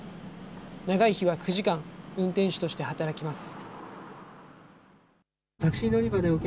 長い日は９時間、運転手として働きます。